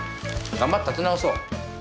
頑張って立て直そう。